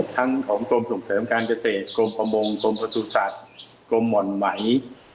ทั้งของกรมส่งเสริมการเกษตรกรมประมงกรมประสุทธิ์สัตว์กรมหม่อนไหม